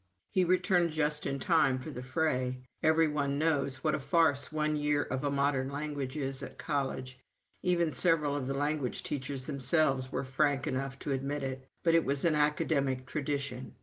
He returned just in time for the fray. Every one knows what a farce one year of a modern language is at college; even several of the language teachers themselves were frank enough to admit it. But it was an academic tradition!